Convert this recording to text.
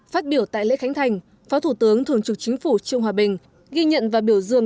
phát biểu tại lễ khánh thành phó thủ tướng thường trực chính phủ trương hòa bình ghi nhận và biểu dương